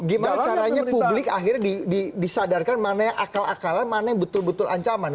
gimana caranya publik akhirnya disadarkan mana yang akal akalan mana yang betul betul ancaman